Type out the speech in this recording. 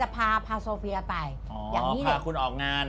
อ๋อพาคุณออกงาน